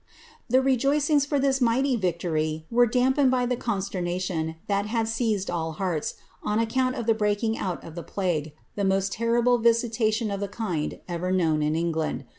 The rejoicings for this mighty victory were damped by the consterna tion that had seized all hearts, on account of the breaking out of the l^afirue, the most terrible visitation of the kind ever known in England.